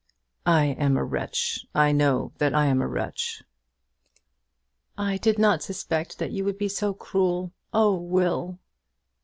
"I am a wretch. I know that I am a wretch." "I did not suspect that you would be so cruel. Oh, Will!"